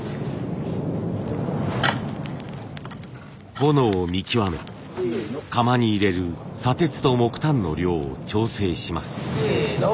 炎を見極め窯に入れる砂鉄と木炭の量を調整します。